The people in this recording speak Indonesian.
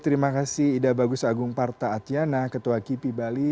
terima kasih ida bagus agungparta atiana ketua kipi bali